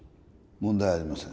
問題ありません